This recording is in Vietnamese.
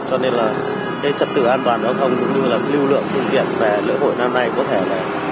cho nên là cái trật tự an toàn giao thông cũng như là lưu lượng phương tiện về lễ hội năm nay có thể là